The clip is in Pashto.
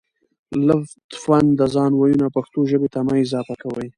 لطفاً د ځانه وييونه پښتو ژبې ته مه اضافه کوئ